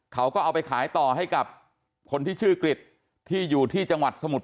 เขาก็เอาไปขายต่อให้กับคนที่ชื่อกริจที่อยู่ที่จังหวัดสมุทร